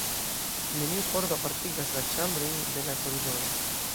Neniu pordo apartigas la ĉambrojn de la koridoro.